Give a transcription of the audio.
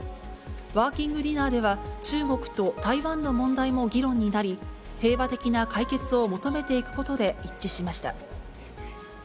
ワーキングディナーでは、中国と台湾の問題も議論になり、平和的な解決を求めていくことで一致しました。